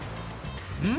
うん？